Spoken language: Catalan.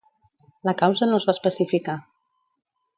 La causa no es va especificar.